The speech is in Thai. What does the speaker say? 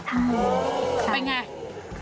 อ๋อเป็นอย่างไร